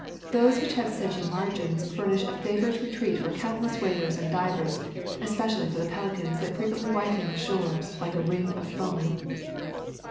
Those which have sedgy margins furnish a favorite retreat for countless waders and divers, espe cially for the pelicans that frequently whiten the shore like a ring of foam.